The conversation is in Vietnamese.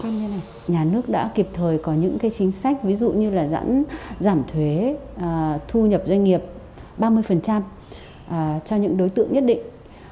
nhà nước đã kịp thời có những cái chính sách ví dụ như là giảm thuế thu nhập doanh nghiệp ba mươi cho những đối tượng nhất định